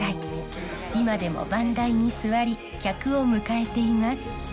今でも番台に座り客を迎えています。